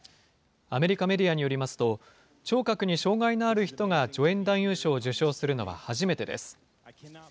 アメリカメディアによりますと、聴覚に障害のある人が、助演男優賞を受賞するのは初めてです。